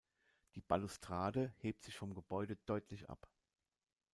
Die Balustrade hebt sich vom Gebäude deutlich ab.